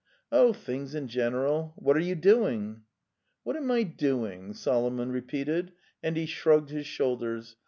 'Oh, things in general. What are you doing?" '" What am I doing?" Solomon repeated, and he shrugged his shoulders.